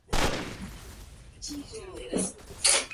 Constructivamente es una estructura de piedra revocada y encalada.